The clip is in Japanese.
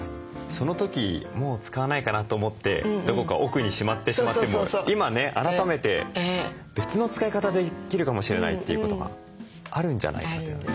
その時もう使わないかな？と思ってどこか奥にしまってしまっても今ね改めて別の使い方できるかもしれないということがあるんじゃないかというね。